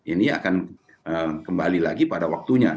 ini akan kembali lagi pada waktunya